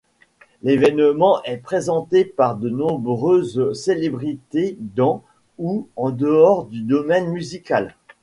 L'événement est présentée par de nombreuses célébrités dans ou en dehors du domaine musical.